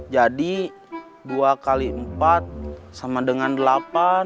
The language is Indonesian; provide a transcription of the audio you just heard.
jadi dua kali empat sama dengan delapan